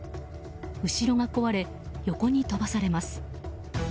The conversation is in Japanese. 後ろが壊れ、横に飛ばされます。